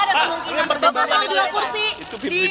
berarti ada kemungkinan bergabung dengan pemerintah